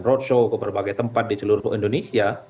roadshow ke berbagai tempat di seluruh indonesia